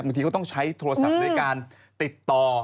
ที่เขาต้องใช้โทรศัพท์ด้วยการติดต่อ